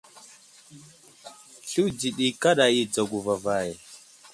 Sluwdji ɗi kaɗa i dzago vavay.